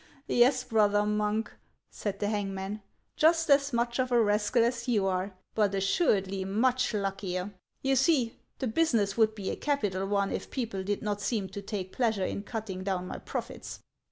"Yes, brother monk," said the hangman ; "just as much of a rascal as you are, but assuredly much luckier. You see, the business would be a capital one if people did not seem to take pleasure in cutting down my profits.